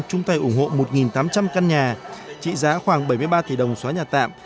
chung tay ủng hộ một tám trăm linh căn nhà trị giá khoảng bảy mươi ba tỷ đồng xóa nhà tạm